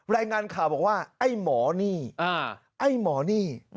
รายงานข่าวบอกว่าไอ้หมอนี่